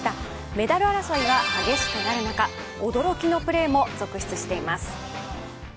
メダル争いが激しくなる中驚きのプレーも続出しています。